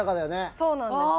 そうなんです。